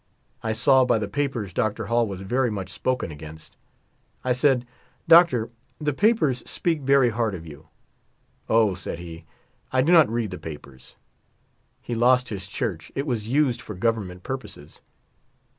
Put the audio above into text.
I saw by the papers Dr. Hall was very much spoken against. I said :" Doctor, the papers speak very hard of you." "Oh !" said he, "I do not read the papers.'' He lost his church ; it was used for Govern ment purposes.